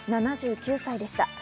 ７９歳でした。